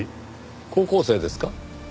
高校生ですか？